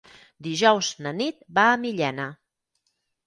Dijous na Nit va a Millena.